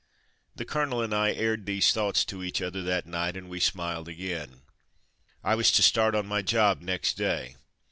The colonel and I aired these thoughts to each other that night, and we smiled again. I was to start on my job next day.